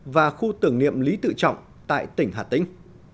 và khu tưởng niệm lý tự trọng tại tỉnh hà tĩnh